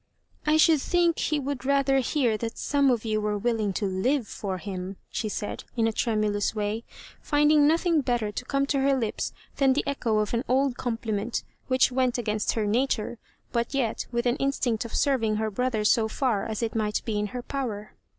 "I should think he would rather hear that some of you were willing to live for him," she said, in a tremulous way; finding nothing better to come to her lips than the echo of an old compliment, which went against her nature, but yet with an instinct of serving her brother so far as it might be in her power.